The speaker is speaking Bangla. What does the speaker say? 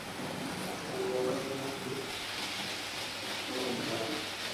চুল রক্ষা করতে বিশেষ দিন শেষে চুলের জন্য কোনো ট্রিটমেন্ট নিতে পারেন।